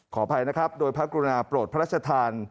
ขออภัยนะครับโดยพระกรุณาโปรดพระราชทาน